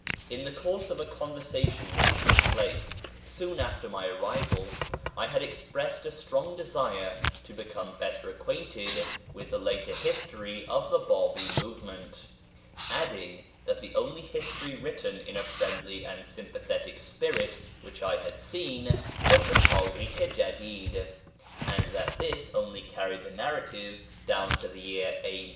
In the course of a conversation which took place soon after my arrival I had expressed a strong desire to become better acquainted with the later history of the Bábí movement, adding that the only history written in a friendly and sympathetic spirit which I had seen was the Táríkh i Jadíd, and that this only carried the narrative down to the year A.